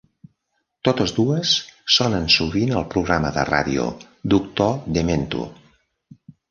Totes dues sonen sovint al programa de ràdio "Doctor Demento".